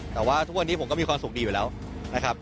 แต่ว่าทุกวันนี้ผมก็มีความสุขดีอยู่แล้วนะครับ